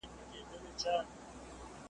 وخت به ازمېیلی یم ما بخت دی آزمېیلی .